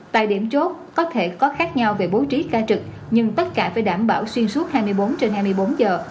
tại điểm chốt có thể có khác nhau về bố trí ca trực nhưng tất cả phải đảm bảo xuyên suốt hai mươi bốn trên hai mươi bốn giờ